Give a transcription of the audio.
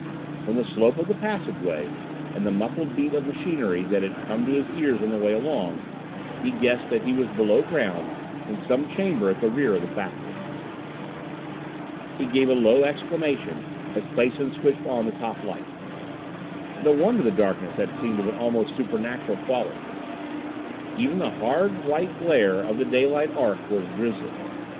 From the slope of the passageway and the muffled beat of machinery that had come to his ears on the way along, he guessed that he was below ground in some chamber at the rear of the factory. He gave a low exclamation as Clason switched on the toplight. No wonder the darkness had seemed of almost supernatural quality! Even the hard white glare of the daylight arc was grisly.